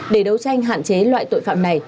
để đấu tranh hạn chế loại tội phạm này